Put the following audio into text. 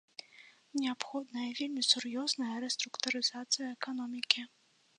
Неабходная вельмі сур'ёзная рэструктурызацыя эканомікі.